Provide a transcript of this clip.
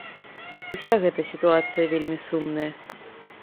Уся гэта сітуацыя вельмі сумная.